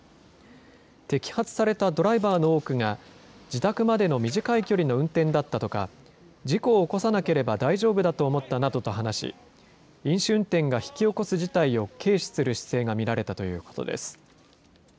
摘発されたドライバーの多くが、自宅までの短い距離の運転だったとか、事故を起こさなければ大丈夫だと思ったなどと話し、飲酒運転が引き起こす事態を軽視する姿勢が見られたということです。